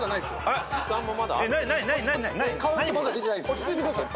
落ち着いてください。